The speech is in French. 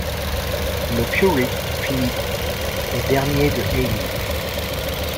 Le Fury finit et dernier de A-League.